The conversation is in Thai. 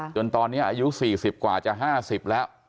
จนตอนนี้อายุ๔๐กว่าจะ๕๐แล้ว